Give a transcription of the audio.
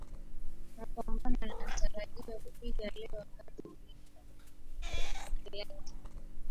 pambano ambao nataraji kupigwa leo wakati wigan athletic